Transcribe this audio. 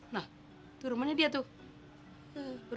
nah tuh rumahnya dia tuh